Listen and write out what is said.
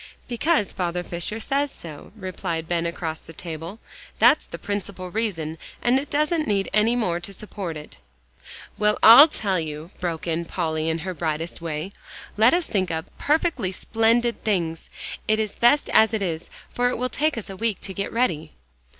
"Because Father Fisher says so," replied Ben across the table; "that's the principal reason and it doesn't need any more to support it" "Well, I tell you," broke in Polly in her brightest way, "let us think up perfectly splendid things. It's best as it is, for it will take us a week to get ready."